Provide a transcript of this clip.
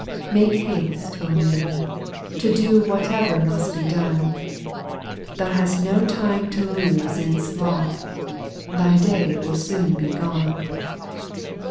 Make haste, O man, to do Whatever must be done ; Thou hast no time to lose in sloth, Thy day will soon be gone.